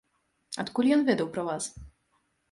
Адкуль ён ведаў пра вас?